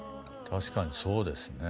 確かにそうですね。